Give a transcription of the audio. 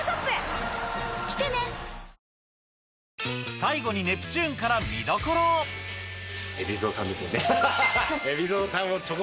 最後にネプチューンから見どころを海老蔵さんを。